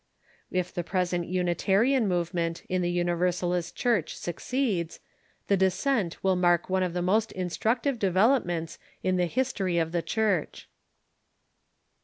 If the present Unitarian movement in the Univer salist Church succeeds, the descent will mark one of the most instructive developments in the history of the Church.